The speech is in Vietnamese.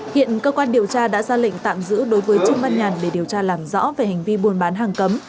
hiện cơ quan điều tra đã ra lệnh tạm giữ đối với trương văn nhàn để điều tra làm rõ về hành vi buôn bán hàng cấm